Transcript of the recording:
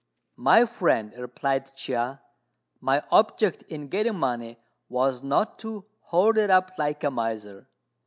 "My friend," replied Chia, "my object in getting money was not to hoard it up like a miser."